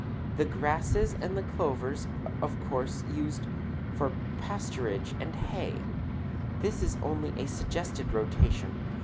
The grasses and clovers are of course used for pasturage and hay. This is only a suggested rotation.